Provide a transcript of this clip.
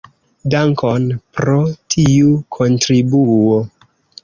Dankon pro tiu kontribuo.